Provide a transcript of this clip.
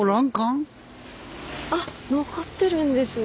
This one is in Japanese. あっ残ってるんですね。